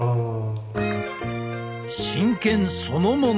真剣そのもの！